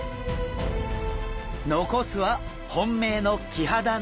残すは本命のキハダのみ。